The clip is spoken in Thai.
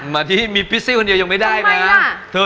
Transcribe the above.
มาที่มีพิซี่คนเดียวยังไม่ได้นะ